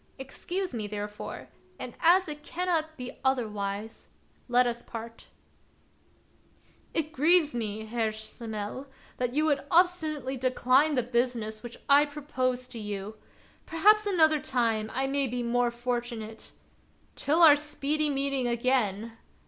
Excuse me, therefore ; and as it cannot now be otherwise, let us part." of Peter Schlemihl. 6i " It grieves me, Herr Schlemihl, that you obstinately decline the business which I propose to you. Perhaps another time I may be more fortunate. Till our speedy meeting again!